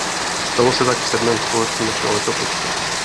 Stalo se tak v sedmém století našeho letopočtu.